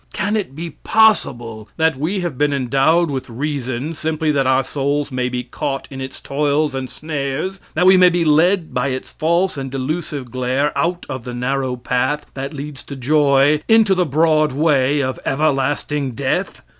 Can it be possible that we have been endowed with reason simply that our souls may be caught in its toils and snares, that we may be led by its false and delusive glare out of the narrow path that leads to joy into the broad way of everlasting death?